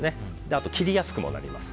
あと、切りやすくもなります。